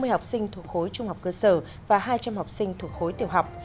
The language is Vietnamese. ba mươi học sinh thuộc khối trung học cơ sở và hai trăm linh học sinh thuộc khối tiểu học